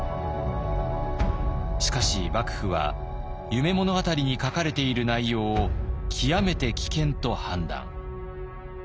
しかし幕府は「夢物語」に書かれている内容を極めて危険と判断。